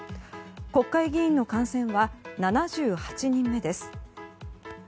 国会議員の感染は７８人目です。